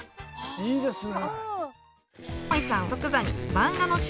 いいですね。